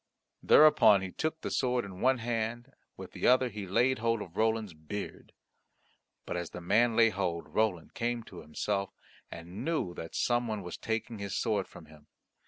Thereupon he took the sword in one hand, with the other he laid hold of Roland's beard. But as the man laid hold, Roland came to himself, and knew that some one was taking his sword from him.